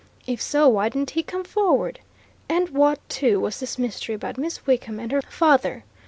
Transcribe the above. If so, why didn't he come forward? And what, too, was this mystery about Miss Wickham and her father?